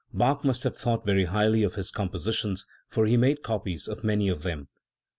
Bach must have thought very highly of his com positions, for he made copies of many of them.